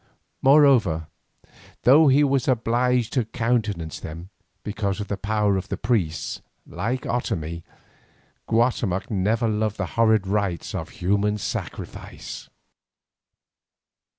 Moreover, though he was obliged to countenance them, because of the power of the priests, like Otomie, Guatemoc never loved the horrid rites of human sacrifice.